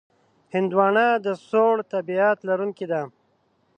هندوانه د سوړ طبیعت لرونکې ده.